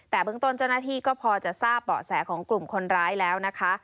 แต่เบื้องต้นเจ้าหน้าที่ก็พอจะทราบเบาะแสของกลุ่มคนร้ายแล้วนะคะ